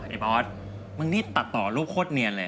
ไอ้บอสมึงนี่ตัดต่อรูปโคตรเนียนเลย